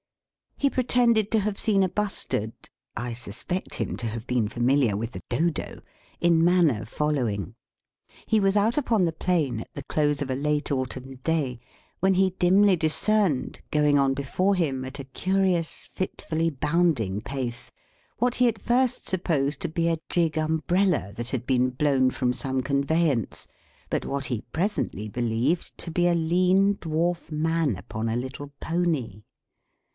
He pretended to have seen a bustard (I suspect him to have been familiar with the dodo), in manner following: He was out upon the plain at the close of a late autumn day, when he dimly discerned, going on before him at a curious fitfully bounding pace, what he at first supposed to be a gig umbrella that had been blown from some conveyance, but what he presently believed to be a lean dwarf man upon a little pony.